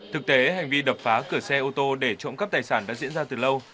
thực tế hành vi đập phá cửa xe ô tô để trộm cắp tài sản đã diễn ra từ lâu